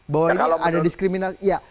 bahwa ini ada diskriminasi iya